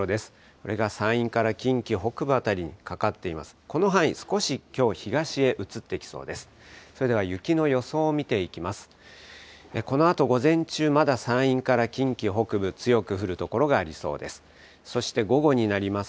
この範囲、少しきょう、東へ移ってきそうです。